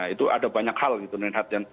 itu ada banyak hal gitu reinhardt